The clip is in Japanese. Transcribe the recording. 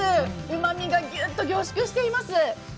うまみがギュッと凝縮しています。